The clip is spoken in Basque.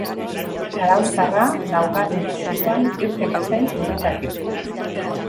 Zarauztarra laugarren postuan irten zen uretatik.